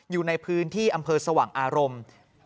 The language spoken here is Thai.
อยู่ในพื้นที่อำเภอสว่างอารมณ์